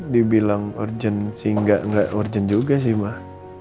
dibilang urgent sih nggak urgent juga sih mah